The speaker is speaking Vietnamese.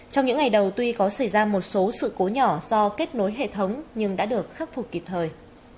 trong những ngày đầu tuy có xảy ra một số sự cố nhỏ do kết nối hệ thống nhưng đã được khắc phục kịp thời